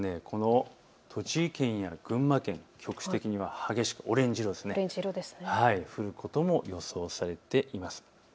特に栃木県や群馬県、局地的には激しくオレンジ色、降ることが予想されています。